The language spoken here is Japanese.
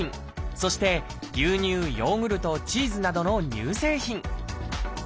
そして牛乳ヨーグルトチーズなどの乳製品。